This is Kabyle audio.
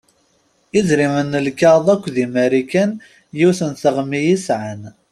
Idrimen n lkaɣeḍ akk di Marikan yiwet n teɣmi i sεan.